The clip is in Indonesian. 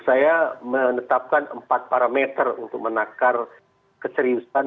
saya menetapkan empat parameter untuk menangkar keceriusan